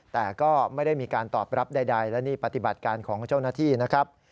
แต่ก็ไม่ได้มีการตอบรับใดและนี่ปฏิบัติการของเจ้าหน้าที่นะครับ